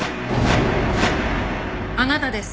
あなたです。